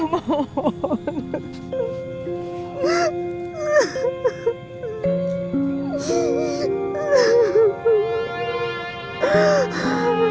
kau tidak mau